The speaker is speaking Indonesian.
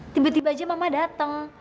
tiba tiba aja mama datang